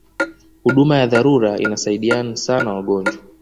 huduma ya dharura inasaidian sana wagonjwa